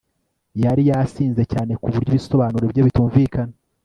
Yari yasinze cyane kuburyo ibisobanuro bye bitumvikana